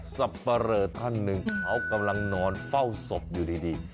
สับปะเรอท่านหนึ่งเขากำลังนอนเฝ้าศพอยู่ดี